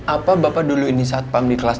apa bapak dulu ini saat pam di kelas